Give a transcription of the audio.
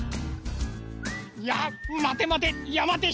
いやまてまて。